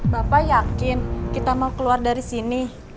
bapak yakin kita mau keluar dari sini